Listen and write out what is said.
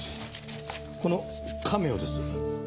このカメオです。